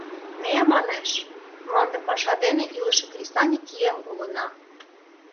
Ме, манеш, мланде паша дене илыше кресаньык еҥ улына.